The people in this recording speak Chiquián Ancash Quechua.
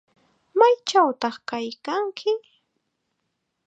¿Maychawtaq kaykanki?